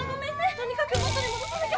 とにかく元にもどさなきゃ！